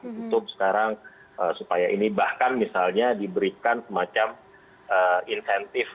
tutup sekarang supaya ini bahkan misalnya diberikan semacam insentif